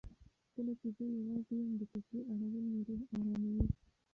کله چې زه یوازې یم، د تسبېح اړول مې روح اراموي.